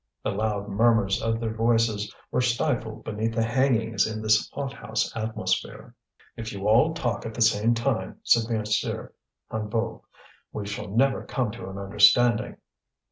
The loud murmurs of their voices were stifled beneath the hangings in the hot house atmosphere. "If you all talk at the same time," said M. Hennebeau, "we shall never come to an understanding."